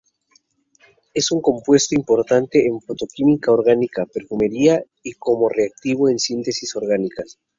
Es un compuesto importante en fotoquímica orgánica, perfumería y como reactivo en síntesis orgánicas.